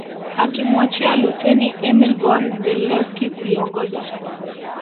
Akimwachia Luteni Emil von Zelewski kuliongoza